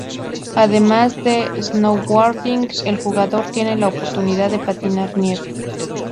Además de snowboarding, el jugador tiene la oportunidad de patinar nieve.